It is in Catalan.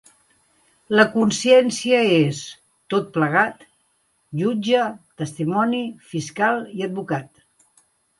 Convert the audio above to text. La consciència és, tot plegat, jutge, testimoni, fiscal i advocat.